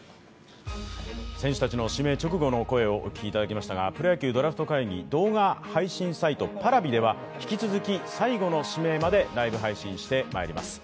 選手たちの指名直後の声をお聞きいただきましたが、プロ野球ドラフト会議、動画配信サイト、Ｐａｒａｖｉでは引き続き最後の指名までライブ配信してまいります。